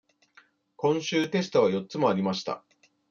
今週、テストが四つもありました。